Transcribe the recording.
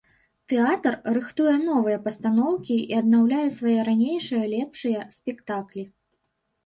Тэатр рыхтуе новыя пастаноўкі і аднаўляе свае ранейшыя лепшыя спектаклі.